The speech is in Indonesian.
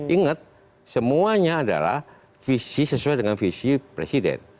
ingat semuanya adalah visi sesuai dengan visi presiden